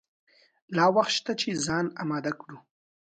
لا وخت شته چې ځان آمده کړو.